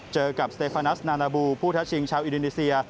เจอกับสเตฟานัสนานาบูผู้ท้าชิงชาวอินโดนีเซีย